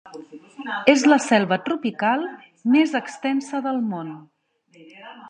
És la selva tropical més extensa del món.